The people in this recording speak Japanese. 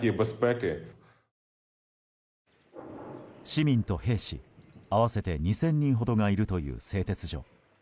市民と兵士、合わせて２０００人ほどがいるという製鉄所。